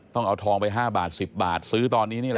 ต้องเอาทองไป๕บาท๑๐บาทซื้อตอนนี้นี่แหละ